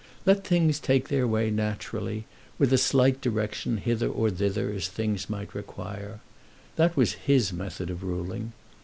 Let things take their way naturally, with a slight direction hither or thither as things might require. That was his method of ruling.